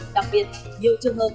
đặc biệt nhiều trường hợp